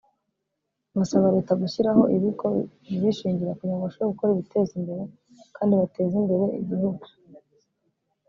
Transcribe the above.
Basaba Leta gushyiraho ibigo bibishingira kugira ngo bashobore gukora biteza imbere kandi bateza imbere igihugu